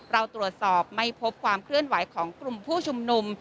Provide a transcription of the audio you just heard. เราตรวจสอบไม่พบความเคลื่อนไหวของกลุ่มผู้ชุมนุม